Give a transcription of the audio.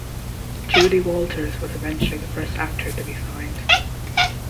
Julie Walters was eventually the first actor to be signed.